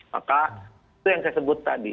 maka itu yang saya sebut tadi